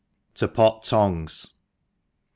. To pot Tongues. .